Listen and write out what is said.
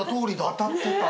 ・当たってた。